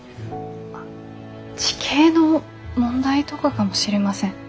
地形の問題とかかもしれません。